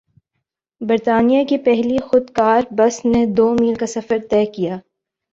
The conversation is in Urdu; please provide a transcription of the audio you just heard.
برطانیہ کی پہلی خودکار بس نے دو میل کا سفر طے کیا